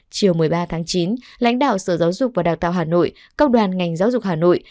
chiều một mươi ba tháng chín lãnh đạo sở giáo dục và đào tạo hà nội công đoàn ngành giáo dục hà nội